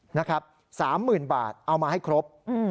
๓หมื่นบาทเอามาให้ครบ